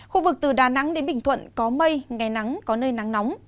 khu vực từ đà nẵng đến bình thuận có mây ngày nắng có nơi nắng nóng